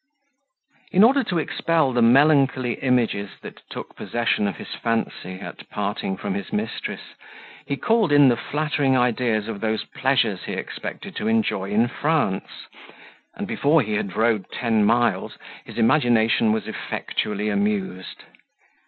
In order to expel the melancholy images that took possession of his fancy, at parting from his mistress, he called in the flattering ideas of those pleasures he expected to enjoy in France; and before he had rode ten miles, his imagination was effectually amused.